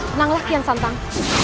tenanglah kian santang